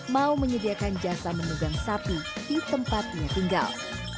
mau menyediakan jasa menunggang sapi di tempatnya tinggal